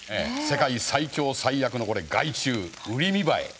世界最強最悪のこれ害虫ウリミバエ。